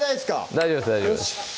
大丈夫です大丈夫です